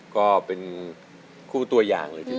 ก็เป็นคู่ตัวอย่างเลยทีเดียว